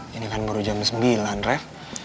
ini kan baru jam sembilan ref